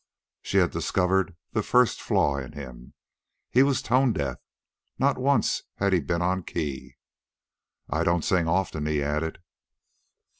She had discovered the first flaw in him. He was tonedeaf. Not once had he been on the key. "I don't sing often," he added.